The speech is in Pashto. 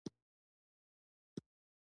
ایا خوب مو ښه دی؟